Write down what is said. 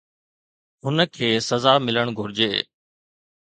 هن کي سزا ملڻ گهرجي.